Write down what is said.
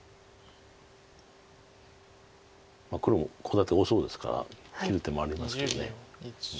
黒もコウ立て多そうですから切る手もありますけど。